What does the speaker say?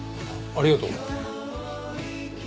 ありがとう。